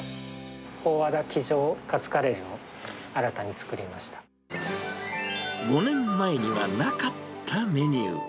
大和田機場カツカレーを新た５年前にはなかったメニュー。